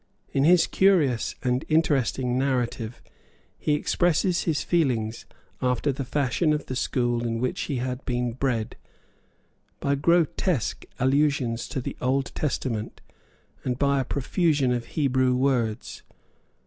In his curious and interesting narrative, he expresses his feelings, after the fashion of the school in which he had been bred, by grotesque allusions to the Old Testament, and by a profusion of Hebrew words.